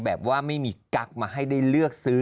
แบบว่าไม่มีกั๊กมาให้ได้เลือกซื้อ